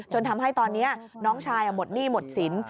ทำให้ตอนนี้น้องชายหมดหนี้หมดสิน